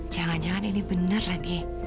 jangan jangan ini benar lagi